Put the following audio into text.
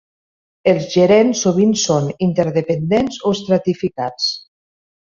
Els gerents sovint són interdependents o estratificats.